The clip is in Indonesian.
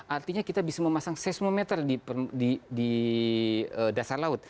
artinya kita bisa memasang seismometer di dasar laut